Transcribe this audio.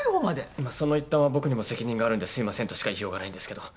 まあその一端は僕にも責任があるんですいませんとしか言いようがないんですけど。